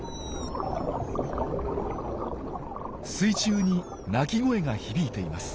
水中に鳴き声が響いています。